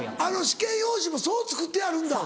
試験用紙もそう作ってあるんだ。